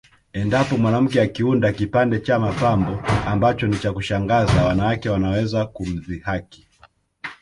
Endapo mwanamke akiunda kipande cha mapambo ambacho ni cha kushangaza wanawake wanaweza kumdhihaki